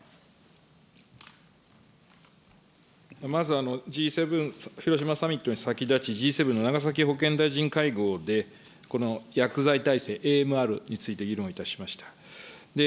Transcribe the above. まずＧ７広島サミットに先立ち、Ｇ７の長崎保健大臣会合で、この薬剤耐性、ＡＭＲについて議論いただきました。